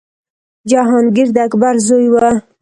جهانګیر د اکبر زوی و.